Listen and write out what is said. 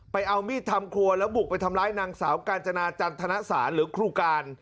เอามีดทำครัวแล้วบุกไปทำร้ายนางสาวกาญจนาจันทนสารหรือครูการ